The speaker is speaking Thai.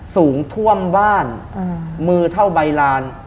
สูงท่วมบ้านมือเท่าใบลาน